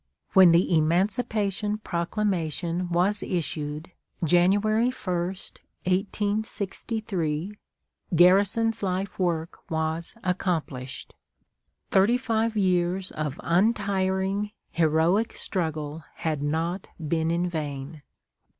When the Emancipation Proclamation was issued, Jan. 1. 1863, Garrison's life work was accomplished. Thirty five years of untiring, heroic struggle had not been in vain.